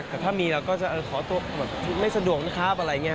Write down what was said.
แต่ถ้ามีเราก็จะขอตัวแบบไม่สะดวกนะครับอะไรอย่างนี้